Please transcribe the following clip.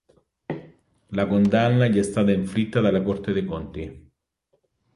La condanna gli è stata inflitta dalla Corte dei Conti.